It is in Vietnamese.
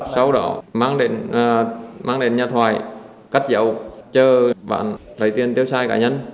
sau đó mang đến nhà thoại cắt dầu chờ bán lấy tiền tiêu xài cả nhân